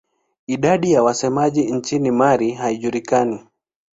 Idadi ya wasemaji nchini Mali haijulikani.